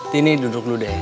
tini duduk dulu deh